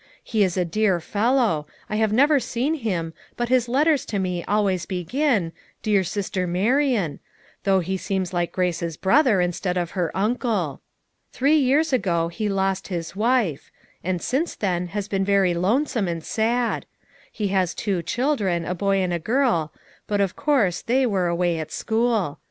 He is a dear fellow ; I have never seen him, but his letters to me always begin, 'Dear sister Marian/ though he seems like Grace's brother, instead of her uncle. Three years ago he lost his wife; and since then has been very lonesome and sad ; he has two children, a boy and a girl, but of course they were away at school.